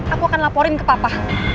aku akan laporin ke papa